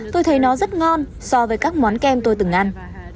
tôi thấy nó rất ngon so với các món kem tôi từng ăn